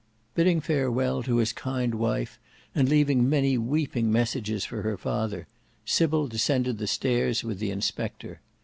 Bidding farewell to his kind wife, and leaving many weeping messages for her father, Sybil descended the stairs with the inspector.